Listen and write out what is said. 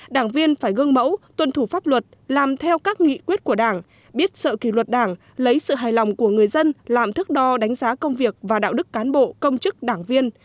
đảng viên phải gương mẫu tuân thủ pháp luật làm theo các nghị quyết của đảng biết sợ kỳ luật đảng lấy sự hài lòng của người dân làm thước đo đánh giá công việc và đạo đức cán bộ công chức đảng viên